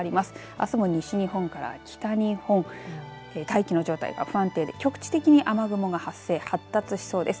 あすの西日本から北日本大気の状態が不安定で局地的に雨雲が発生発達しそうです。